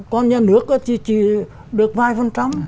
còn nhà nước chỉ được vài phần trăm